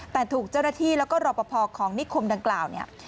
แต่ถูกเจ้าหน้าที่แล้วก็รอปภของนิคมดังกล่าวเนี่ย